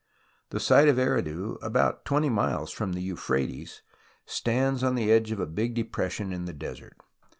The site of Eridu, about 20 miles from the Euphrates, stands on the edge of a big depression in the desert.